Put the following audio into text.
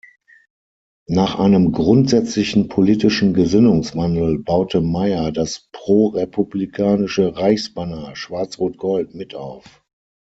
Nach einem grundsätzlichen politischen Gesinnungswandel baute Mayr das pro-republikanische Reichsbanner Schwarz-Rot-Gold mit auf.